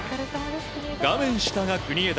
画面下が国枝。